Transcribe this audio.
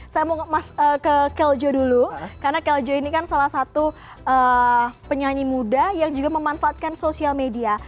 saya mau ke keljo dulu karena keljo ini kan salah satu penyanyi muda yang juga memanfaatkan sosial media